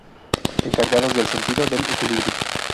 Encargados del sentido del equilibrio.